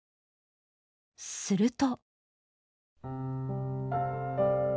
すると。